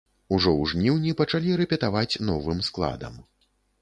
Ужо ў жніўні пачалі рэпетаваць новым складам.